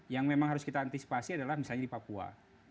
yang memang harus kita antisipasi adalah misalnya di papua